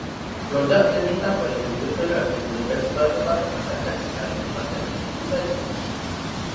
Produk yang ditapai juga kerap digunakan sebagai bahan masakan selain dimakan begitu sahaja.